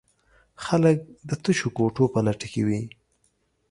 خلک د تشو کوټو په لټه کې وي.